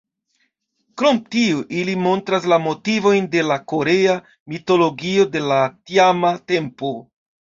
Krom tio, ili montras la motivojn de la korea mitologio de la tiama tempo.